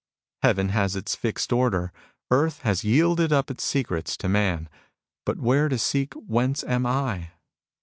Heaven has its fixed order. Earth has yielded up its secrets to man. But where to seek whence am I